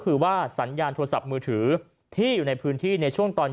คือว่าสัญญาณโทรศัพท์มือถือที่อยู่ในพื้นที่ในช่วงตอน